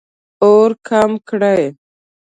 اور کم کړئ